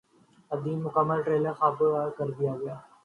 الہ دین کا مکمل ٹریلر خرکار جاری کردیا گیا